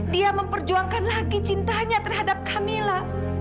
dia memperjuangkan lagi cintanya terhadap camilla